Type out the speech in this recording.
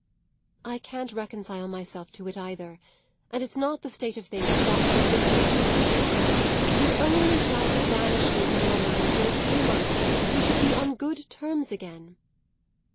"I can't reconcile myself to it either, and it's not the state of things that ought to exist between us. If you'd only try to banish me from your mind for a few months we should be on good terms again."